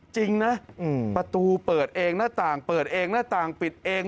จริงนะประตูเปิดเองหน้าต่างเปิดเองหน้าต่างปิดเอง